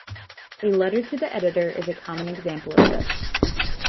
A letter to the editor is a common example of this.